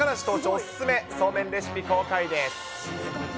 お勧め、そうめんレシピ公開です。